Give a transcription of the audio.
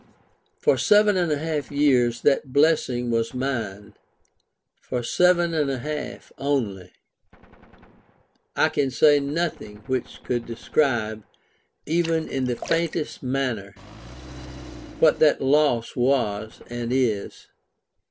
For seven and a half years that blessing was mine; for seven and a half only! I can say nothing which could describe, even in the faintest manner, what that loss was and is.